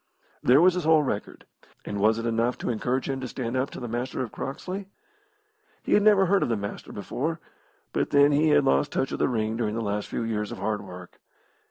There was his whole record, and was it enough to encourage him to stand up to the Master of Croxley? He had never heard of the Master before, but then he had lost touch of the ring during the last few years of hard work.